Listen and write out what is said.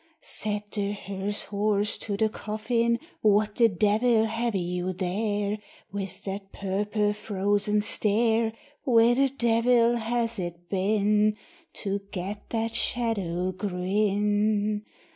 Said the hearse horse to the coffin, "What the devil have you there, With that purple frozen stare? Where the devil has it been To get that shadow grin?"